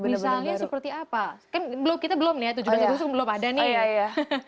misalnya seperti apa kan kita belum ya dua ribu tujuh belas belum ada nih